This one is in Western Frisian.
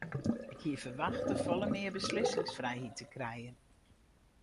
Ik hie ferwachte folle mear beslissingsfrijheid te krijen.